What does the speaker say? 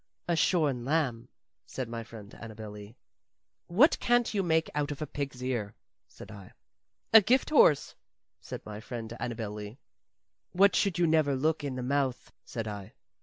"A shorn lamb," said my friend Annabel Lee. "What can't you make out of a pig's ear?" said I. "A gift horse," said my friend Annabel Lee. "What should you never look in the mouth?" said I.